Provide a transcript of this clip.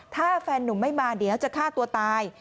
ถ้าแฟนนุ่มไม่มาเดี๋ยวจะฆ่าตัวตาย